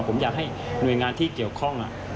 ผมอยากให้หน่วยงานที่เกี่ยวข้อง